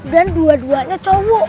dan dua duanya cowok